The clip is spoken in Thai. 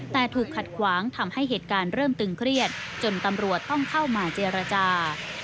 แต่ถูกขัดขวางทำให้เหตุการณ์เริ่มตึงเครียดจนตำรวจต้องเข้ามาเจรจา